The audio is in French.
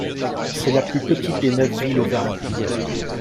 C'est la plus petite des neuf villes au Vermont.